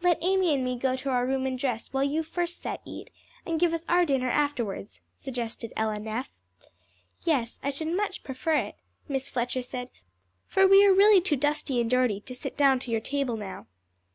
"Let Amy and me go to our room and dress while your first set eat, and give us our dinner afterwards," suggested Ella Neff. "Yes, I should much prefer it," Miss Fletcher said, "for we are really too dusty and dirty to sit down to your table now."